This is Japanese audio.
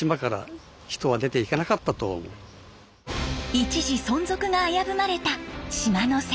一時存続が危ぶまれた島の生活。